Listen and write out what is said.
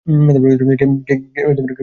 কে বেঁচে থাকবে, ডগি?